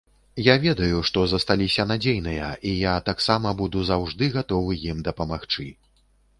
Я ведаю, што засталіся надзейныя, і я таксама буду заўжды гатовы ім дапамагчы.